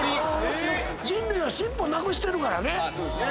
人類は尻尾なくしてるからね。